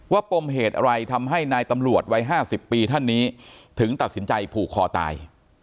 ปมเหตุอะไรทำให้นายตำรวจวัย๕๐ปีท่านนี้ถึงตัดสินใจผูกคอตาย